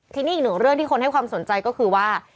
ทีนี้อีกหนึ่งเรื่องที่คนให้ความสนใจก็คือว่า